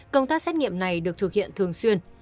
công tác xét nghiệm này được thực hiện thường xuyên